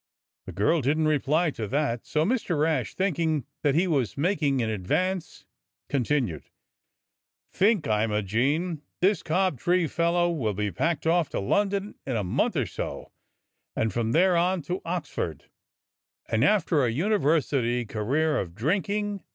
The girl didn't reply to that, so Mr. Rash, thinking that he was making an advance, continued : "Think, Imogene — this Cobtree fellow will be packed off to London in a month or so, and from there on to Oxford; and after a university career of drinking.